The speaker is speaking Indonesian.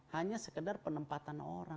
hanya sekedar penempatan orang